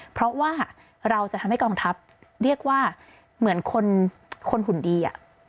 เพราะว่าเราจะทำให้กองทัพเรียกว่าเหมือนคนหุ่นดี